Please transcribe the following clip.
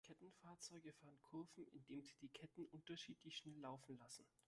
Kettenfahrzeuge fahren Kurven, indem sie die Ketten unterschiedlich schnell laufen lassen.